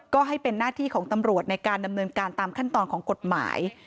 ก็ให้เป็นหน้าที่ของตำรวจในการดำเนินการตามขั้นตอนของกฎหมาย